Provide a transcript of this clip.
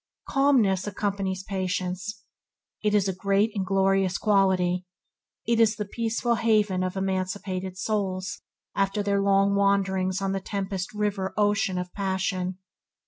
Calmness accompanies patience. It is a great and glorious quality. It is the peaceful haven of emancipated souls after their long wanderings on the tempest riven ocean of passion.